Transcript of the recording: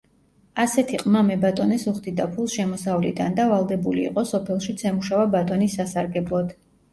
ასეთი ყმა მებატონეს უხდიდა ფულს შემოსავლიდან და ვალდებული იყო სოფელშიც ემუშავა ბატონის სასარგებლოდ.